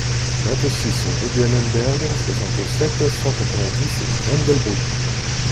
vingt-six rue du Hahnenberg, soixante-sept, cent quatre-vingt-dix, Grendelbruch